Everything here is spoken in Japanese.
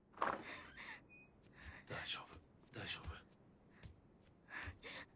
大丈夫大丈夫。